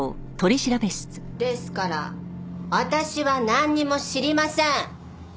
ですから私はなんにも知りません！